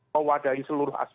mewadahi seluruh aspek